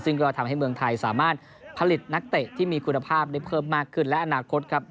ซึ่งก็ทำให้เมืองไทยสามารถผลิตนักเตะที่มีคุณภาพได้เพิ่มมากขึ้นและอนาคตครับ